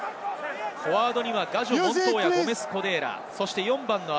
フォワードにはガジョ、モントーヤ、ゴメス＝コデーラ。